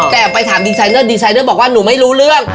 แต่ไปถามดีไซเนอร์ดีไซเนอร์บอกว่าหนูไม่รู้เรื่อง